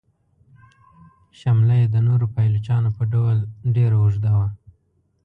شمله یې د نورو پایلوچانو په ډول ډیره اوږده وه.